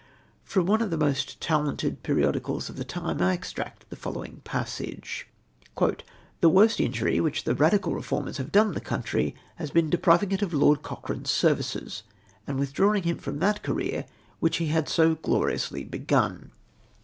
From one of the most talented periodicals of the time I extract the following passage ; "The worst injury which the radical reformers have done the country, has been hi/ depric'uKj it of Lord Cochrane\s service b; and tcithdraiuii/g him front that career which he had so gloriously begun."